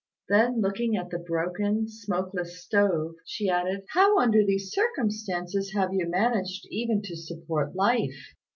Then looking at the broken, smokeless stove, she added, "How, under these circumstances, have you managed even to support life?"